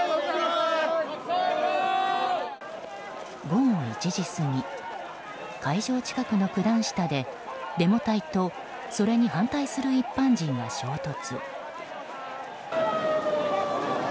午後１時過ぎ会場近くの九段下でデモ隊とそれに反対する一般人が衝突。